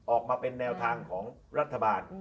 ออกมาเป็นแนวทางของรัฐบาล